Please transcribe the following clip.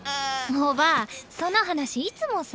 おばあその話いつもさ。